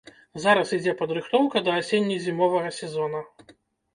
Зараз ідзе падрыхтоўка да асенне-зімовага сезона.